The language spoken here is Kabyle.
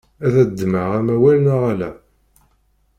Ad d-ddmeɣ amawal neɣ ala?